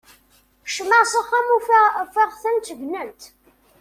Kecmeɣ s axxam, afeɣ-tent gnent.